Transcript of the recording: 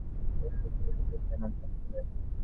অক্ষয় তাহাকে দেখিয়াই উঠিয়া পড়িল, কহিল, যোগেন, আমি আজ তবে আসি।